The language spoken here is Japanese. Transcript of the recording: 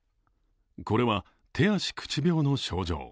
これは、手足口病の症状。